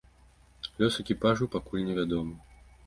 Лёс экіпажу пакуль невядомы.